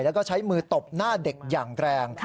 แล้วก็ใช้มือตบหน้าเด็กอย่างแรง